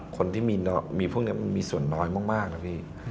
คนที่มีพวกนี้มันมีส่วนน้อยมากนะพี่